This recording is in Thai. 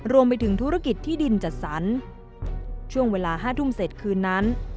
รวมไปถึงธุรกิจที่ดินจัดสรรช่วงเวลา๕ทุ่มเสร็จคืนนั้น